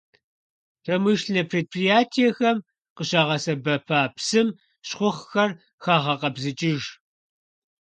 Промышленнэ предприятэхэм къыщагъэсэбэпа псым щхъухьхэр хагъэкъэбзыкӀыж.